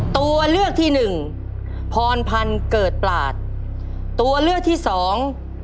ตัวเลือกที่หนึ่งพรพันธ์เกิดปลาดตัวเลือกที่สอง